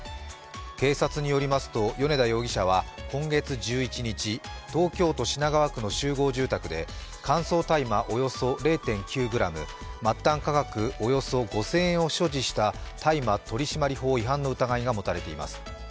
警察によりますと米田容疑者は今月１１日、東京都品川区の集合住宅で乾燥大麻およそ０．９ｇ、末端価格およそ５０００円を所持した大麻取締法違反の疑いが持たれています。